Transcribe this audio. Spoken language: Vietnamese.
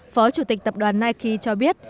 phó chủ tịch tập đoàn nike cho biết